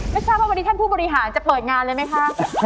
ไม่ทราบว่าวันนี้ท่านผู้บริหารจะเปิดงานเลยไหมคะ